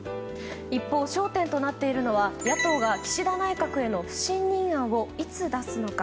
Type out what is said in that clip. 一方焦点となっているのは野党が岸田内閣への不信任案をいつ出すのか。